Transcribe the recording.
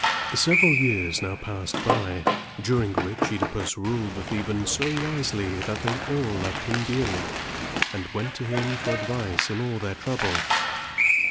Several years now passed by, during which OEdipus ruled the Thebans so wisely, that they all loved him dearly, and went to him for advice in all their troubles.